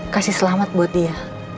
kasih selamat buat dia